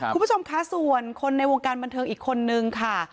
คุณผู้ชมคะส่วนคนในวงการบันเทิงอีกคนนึงค่ะ